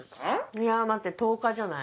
いや待って１０日じゃない？